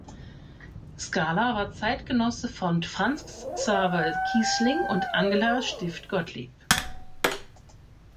Skala war Zeitgenosse von Franz Xaver Kießling und Angela Stifft-Gottlieb.